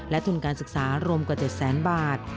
และทุนการศึกษารวมกว่า๗๐๐๐๐๐บาท